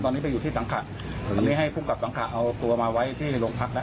ตอนนี้ไปอยู่ที่สังขะตอนนี้ให้ภูมิกับสังขะเอาตัวมาไว้ที่โรงพักแล้ว